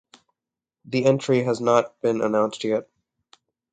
The entry has not been announced yet.